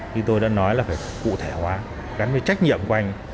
như tôi đã nói là phải cụ thể hóa gắn với trách nhiệm của anh